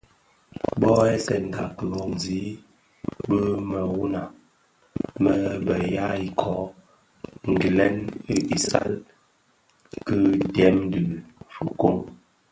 Bōō ghèsènga ki dhōňzi bi meroňa më bë ya iköö gilèn i isal ki dèm dhi fikoň.